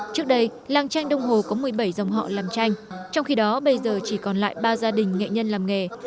trước đây làng tranh đông hồ có một mươi bảy dòng họ làm tranh trong khi đó bây giờ chỉ còn lại ba gia đình nghệ nhân làm nghề